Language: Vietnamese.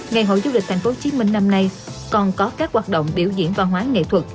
ngày hội du lịch thành phố hồ chí minh năm nay còn có các hoạt động biểu diễn văn hóa nghệ thuật